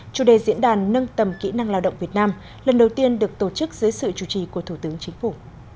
chủ đề diễn đàn nâng tầm kỹ năng lao động việt nam lần đầu tiên được tổ chức dưới sự chủ trì của thủ tướng chính phủ